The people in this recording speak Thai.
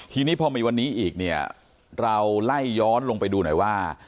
ทีนี้พอมีวันนี้อีกเนี่ยเราไล่ย้อนลงไปดูหน่อยว่า